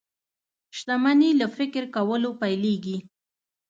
شتمني له فکر کولو پيلېږي.